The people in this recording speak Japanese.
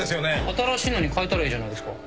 新しいのにかえたらいいじゃないですか。